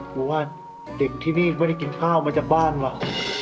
บอกว่าเด็กที่นี่ไม่ได้กินข้าวมาจากบ้านว่ะ